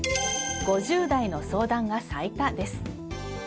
５０代の相談が最多です。